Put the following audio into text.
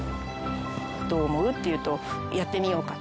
「どう思う？」って言うと「やってみようか」